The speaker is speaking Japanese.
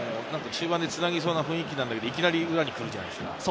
中盤でつなぎそうな雰囲気なんだけど、いきなり裏に来るんじゃないですか？